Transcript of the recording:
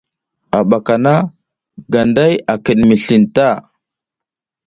A ɓaka na Ganday a kiɗ mi slin ta.